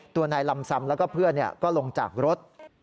ตัวนายลำซำแล้วก็เพื่อนก็ลงจากรถ